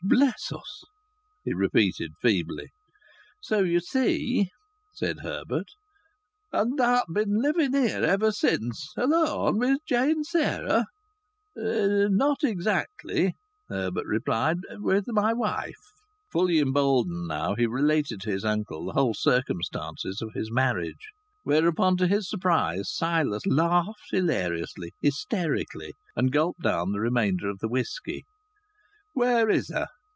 "Bless us!" he repeated feebly. "So you see," said Herbert. "And thou'st been living here ever since alone, wi' Jane Sarah?" "Not exactly," Herbert replied. "With my wife." Fully emboldened now, he related to his uncle the whole circumstances of his marriage. Whereupon, to his surprise, Silas laughed hilariously, hysterically, and gulped down the remainder of the whisky. "Where is her?"